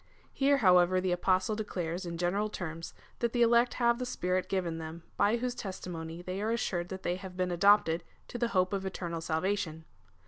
^ Here, however, the Apostle declares in general terms, that the elect have the Spirit given them, by whose testimony they are assured that they have been adopted to the hope of eternal salvation.